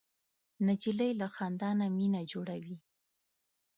نجلۍ له خندا نه مینه جوړوي.